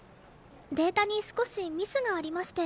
データに少しミスがありまして。